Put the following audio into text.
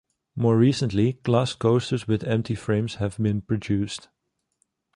More recently, glass coasters with empty frames have been produced.